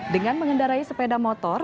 dengan mengendarai sepeda motor